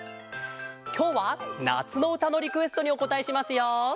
きょうはなつのうたのリクエストにおこたえしますよ。